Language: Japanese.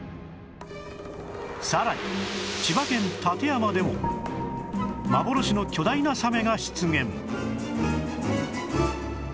さらに千葉県館山でも幻の巨大なサメが出現